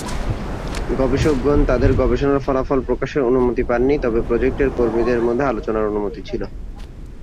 গবেষকগণ তাঁদের গবেষণার ফলাফল প্রকাশের অনুমতি পান নি তবে প্রজেক্টের কর্মীদের মধ্যে আলোচনার অনুমতি ছিল।